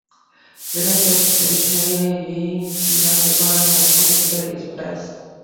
Linux has traditionally been seen as requiring much more technical expertise.